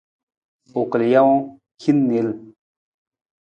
U kal jawang, hin niil.